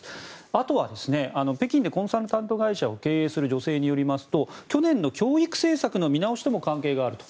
あとは北京でコンサルタント会社を経営する女性によりますと去年の教育政策の見直しとも関係があると。